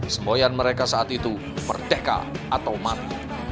semboyan mereka saat itu merdeka atau mati